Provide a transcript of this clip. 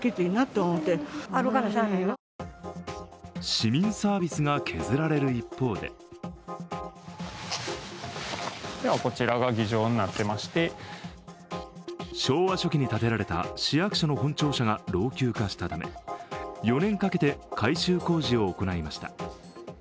市民サービスが削られる一方で昭和初期に建てられた市役所の本庁舎が老朽化したため４年かけて改修工事を行いました。